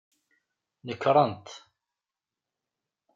Nekret!